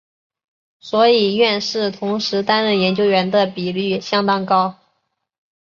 所以院士同时担任研究员的比率相当高。